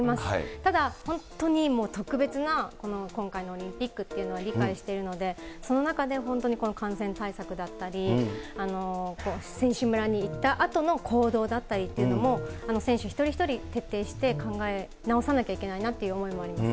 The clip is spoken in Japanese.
ただ本当にもう特別な今回のオリンピックっていうのは理解しているので、その中で本当にこの感染対策だったり、選手村に行ったあとの行動だったりというのも、選手一人一人徹底して、考え直さなきゃいけないなという思いもあります。